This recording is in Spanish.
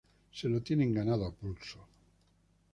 se lo tienen ganado a pulso: